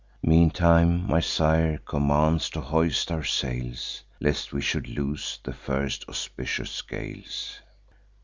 Meantime, my sire commands to hoist our sails, Lest we should lose the first auspicious gales.